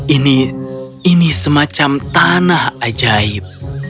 ini semacam tanah ajaib